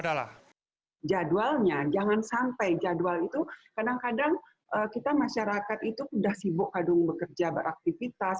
jadwalnya jangan sampai jadwal itu kadang kadang kita masyarakat itu sudah sibuk kadang bekerja beraktivitas